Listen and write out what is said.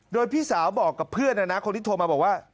โดยพี่สาวบอกกับเพื่อนนะนะคนที่โทรมาบอกว่า